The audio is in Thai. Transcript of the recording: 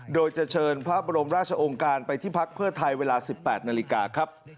โดยจะเชิญพระบรมราชองค์การไปที่พักเพื่อไทยเวลา๑๘นาฬิกาครับ